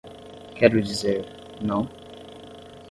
Quero dizer, não.